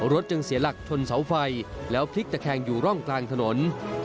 รถจึงเสียหลักชนเสาไฟแล้วพลิกตะแคงอยู่ร่องกลางถนน